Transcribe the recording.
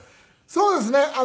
そうですね。